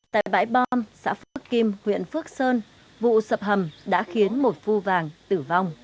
tại bãi bom xã phước kim huyện phước sơn vụ sập hầm đã khiến một phu vàng tử vong